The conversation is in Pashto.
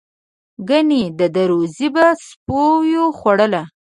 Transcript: گني د ده روزي به سپیو خوړله.